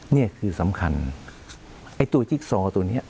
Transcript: นี่คือสำคัญไอ้ตัวจิ๊กซอตัวนี้